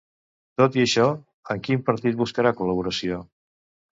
Tot i això, en quin partit buscarà col·laboració?